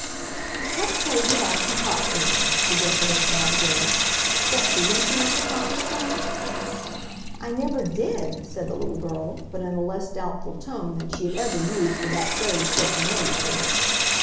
"What say we have some pop corn!" suggested Aunt Abigail. "Betsy, don't you want to pop us some?" "I never DID," said the little girl, but in a less doubtful tone than she had ever used with that phrase so familiar to her.